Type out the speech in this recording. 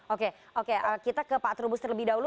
oke kita ke pak atrubus terlebih dahulu